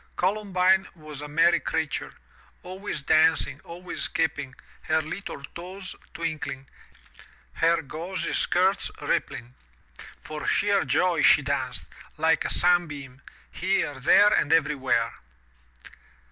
Columbine was a merry creature, always dancing, always skipping, her little toes twink ling, her gauzy skirts rippling! For sheer joy she danced, like a sunbeam, here, there and everywhere.